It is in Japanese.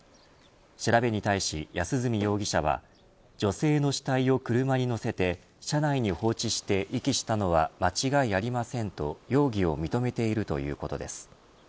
調べに対し、安栖容疑者は女性の死体を車に乗せて車内に放置して遺棄したのは間違いありませんと容疑を認めているということです。